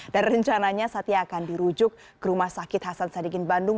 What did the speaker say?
dan rencananya satya akan dirujuk ke rumah sakit hasan sadegin bandung